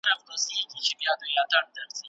کلتوري همغږي د تضاد مخه نیسي.